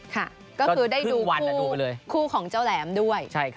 ค่ะก็คือได้ดูคู่ของเจ้าแหลมด้วย